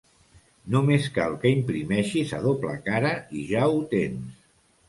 Només cal que imprimeixis a doble cara i ja ho tens!